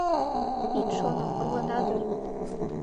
Ит шоно: орлана дыр